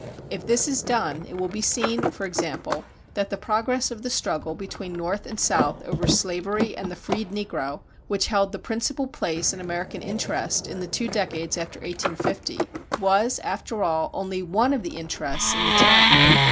If this is done, it will be seen, for example, that the progress of the struggle between North and South over slavery and the freed negro, which held the principal place in American interest in the two decades after 1850, was, after all, only one of the interests in the time.